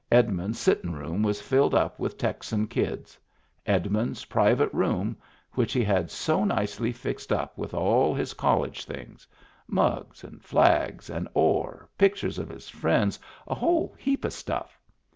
Edmund's sittin' room was filled up with Texan kids — Edmund's private room, which he had so nicely fixed up with all his col lege things : mugs, flags, an oar, pictures of his friends, a whole heap of stufif.